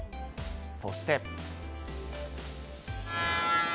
そして。